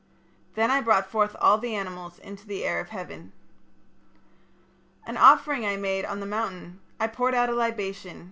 Then I brought forth all the animals into the air of heaven. "An offering I made on the mountain. I poured out a libation.